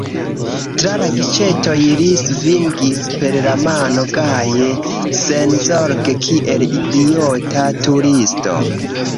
Tra la giĉetoj li svingis per la mano gaje, senzorge, kiel idiota turisto.